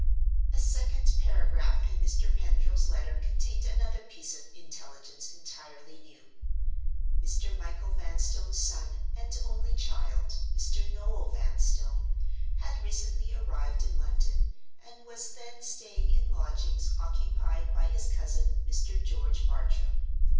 A second paragraph in Mr. Pendril's letter contained another piece of intelligence entirely new. Mr. Michael Vanstone's son (and only child), Mr. Noel Vanstone, had recently arrived in London, and was then staying in lodgings occupied by his cousin, Mr. George Bartram.